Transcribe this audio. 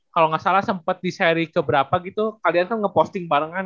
kalau gak salah sempet di seri keberapa gitu kalian kan ngeposting barengan